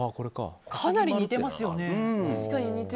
かなり似てますよね。